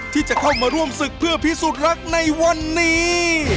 ที่จะเข้ามาร่วมศึกเพื่อพิสูจน์รักในวันนี้